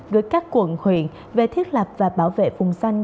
gửi các quận huyện về thiết lập và bảo vệ phùng xanh